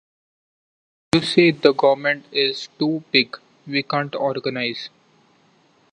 You say the government is too big; we can't organize.